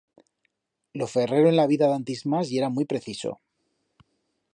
Lo ferrero en la vida d'antismas yera muit preciso.